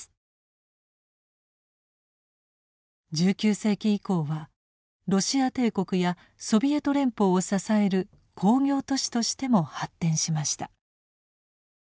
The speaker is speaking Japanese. １９世紀以降はロシア帝国やソビエト連邦を支える工業都市としても発展しました。